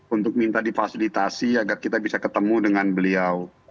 untuk minta difasilitasi agar kita bisa ketemu dengan beliau